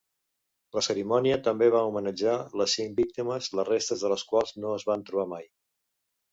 La cerimònia també va homenatjar les cinc víctimes les restes de les quals no es van trobar mai.